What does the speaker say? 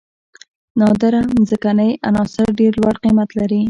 نادره ځمکنۍ عناصر ډیر لوړ قیمت لري.